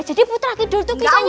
jadi putra kidul itu kisahnya